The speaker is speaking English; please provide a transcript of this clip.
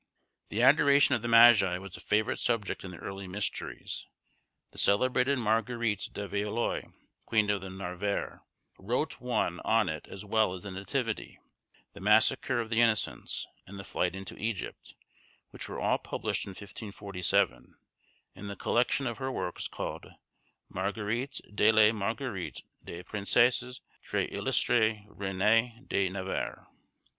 The adoration of the Magi was a favourite subject in the early mysteries. The celebrated Marguerite de Valois, Queen of Navarre, wrote one on it as well as on the Nativity, the Massacre of the Innocents, and the Flight into Egypt, which were all published in 1547, in the collection of her works, called 'Marguerites de la Marguerite des princesses, très illustre Reyne de Navarre.